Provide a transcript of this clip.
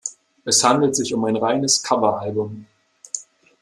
Es handelt sich um ein reines Cover-Album.